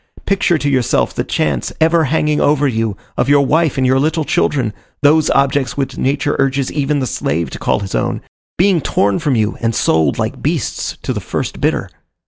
picture to yourself the chance, ever hanging over you, of your wife and your little children those objects which nature urges even the slave to call his own being torn from you and sold like beasts to the first bidder!